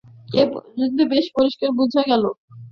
এ পর্যন্ত বেশ পরিষ্কার বুঝা গেল।